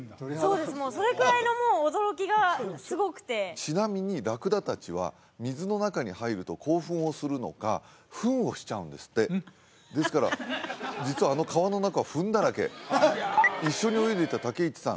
そうですもうそれくらいの驚きがすごくてちなみにラクダ達は水の中に入ると興奮をするのかフンをしちゃうんですってですから実はあの川の中フンだらけ一緒に泳いでた武市さん